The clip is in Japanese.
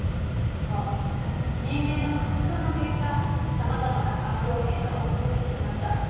人間の活動の結果さまざまな環境変化を起こしてしまった。